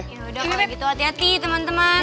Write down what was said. yaudah pokoknya gitu hati hati teman teman